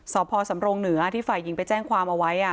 สพสำรงเหนือที่ฝ่ายหญิงไปแจ้งความเอาไว้